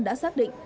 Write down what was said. đã xác định là